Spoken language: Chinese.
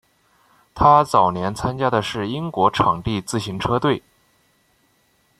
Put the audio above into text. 他早年参加的是英国场地自行车队。